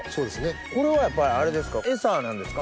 これはやっぱりエサなんですか？